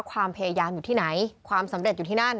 ความพยายามอยู่ที่ไหนความสำเร็จอยู่ที่นั่น